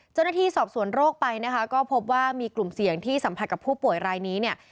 เจ้าหน้าที่สอบสวนโรคไปนะคะก็พบว่ามีกลุ่มเสี่ยงที่สัมผัสกับผู้ป่วยรายนี้เนี่ย